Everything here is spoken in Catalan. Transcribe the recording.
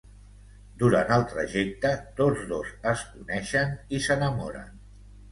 Durant el trajecte, tots dos es coneixen i s'enamoren.